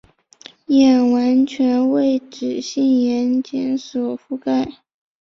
眼完全为脂性眼睑所覆盖。